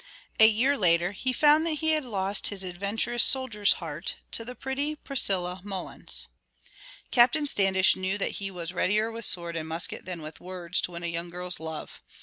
A year later he found that he had lost his adventurous soldier's heart to the pretty Priscilla Mullins. Captain Standish knew that he was readier with sword and musket than with the words to win a young girl's love.